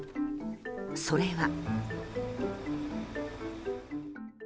それは。